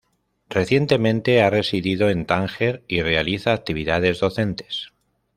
Recientemente ha residido en Tánger y realiza actividades docentes.